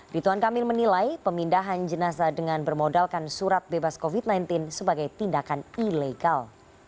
rituan kamil menilai pemindahan jenazah dengan bermodalkan surat bebas covid sembilan belas sebagai tindakan ilegal